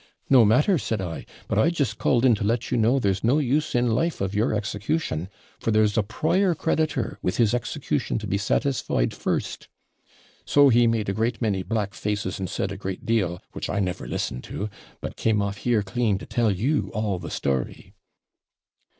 "No matter," said I; "but I just called in to let you know there's no use in life of your execution; for there's a prior creditor with his execution to be satisfied first." So he made a great many black faces, and said a great deal, which I never listened to, but came off here clean to tell you all the story.'